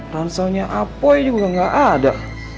ransalnya apoy juga gak ada